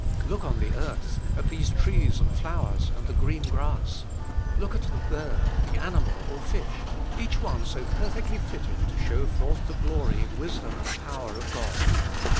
Look on the earth, at these trees and flowers and the green grass. Look at the bird, the animal, or fish — each one so perfectly fitted to show forth the glory, wisdom and power of God.